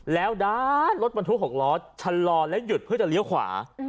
แล้วด้านรถบรรทุก๖ล้อชะลอแล้วหยุดเพื่อจะเลี้ยวขวา